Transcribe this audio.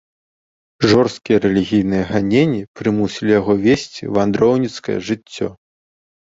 Жорсткія рэлігійныя ганенні прымусілі яго весці вандроўніцкае жыццё.